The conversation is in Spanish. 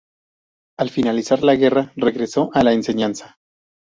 Al finalizar la guerra regresó a la enseñanza.